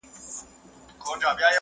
هوښيارانو دي راوړي دا نكلونه!.